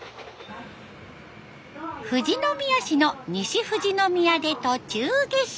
富士宮市の西富士宮で途中下車。